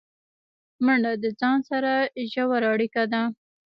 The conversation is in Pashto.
منډه د ځان سره ژوره اړیکه ده